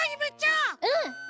うん！